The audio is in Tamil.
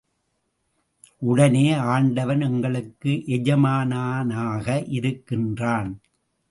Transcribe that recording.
உடனே, ஆண்டவன் எங்களுக்கு எஜமானனாக இருக்கின்றான்.